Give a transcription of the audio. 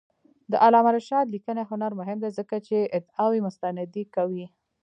د علامه رشاد لیکنی هنر مهم دی ځکه چې ادعاوې مستندې کوي.